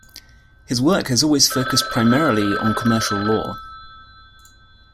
His work has always focused primarily on commercial law.